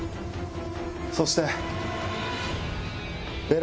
そして。